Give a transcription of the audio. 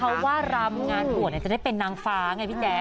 เพราะว่ารำงานบวชจะได้เป็นนางฟ้าไงพี่แจ๊